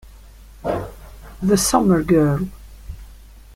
The Summer Girl